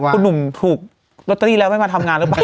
คุณหนุ่มถูกลอตเตอรี่แล้วไม่มาทำงานหรือเปล่า